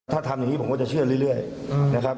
ถ้าทำอย่างนี้ผมก็จะเชื่อเรื่อยนะครับ